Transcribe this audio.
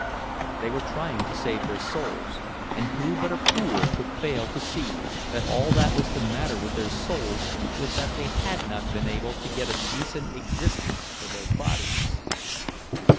They were trying to save their souls—and who but a fool could fail to see that all that was the matter with their souls was that they had not been able to get a decent existence for their bodies?